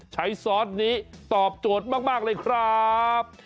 ซอสนี้ตอบโจทย์มากเลยครับ